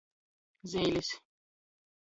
Zeilis.